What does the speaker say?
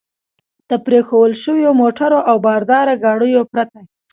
د پرېښوول شوو موټرو او د بار ګاډیو پرته.